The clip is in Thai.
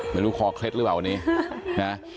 คอเคล็ดหรือเปล่าวันนี้นะ